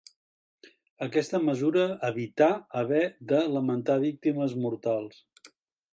Aquesta mesura evità haver de lamentar víctimes mortals.